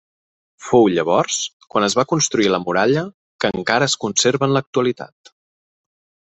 Fou llavors quan es va construir la muralla que encara es conserva en l'actualitat.